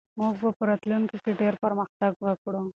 موږ به په راتلونکي کې ډېر پرمختګ وکړو.